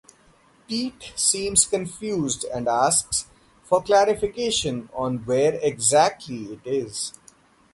Pete seems confused and asks for clarification on where exactly it is.